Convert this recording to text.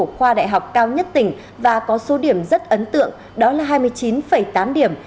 khoa đại học cao nhất tỉnh và có số điểm rất ấn tượng đó là hai mươi chín tám điểm